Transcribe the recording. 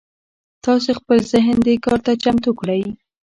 تاسې خپل ذهن دې کار ته چمتو کړئ.